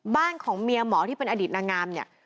บ้านของเมียหมอที่เป็นอดีตนางงามเนี่ย